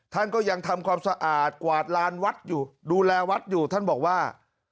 ท่านก็ยังทำความสะอาดกวาดลานวัดอยู่ดูแลวัดอยู่ท่านบอกว่า